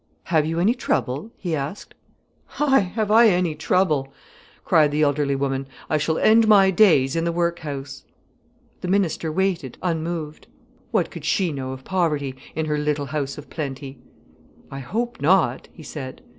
"Have you any trouble?" he asked. "Ay, have I any trouble!" cried the elderly woman. "I shall end my days in the workhouse." The minister waited unmoved. What could she know of poverty, in her little house of plenty! "I hope not," he said.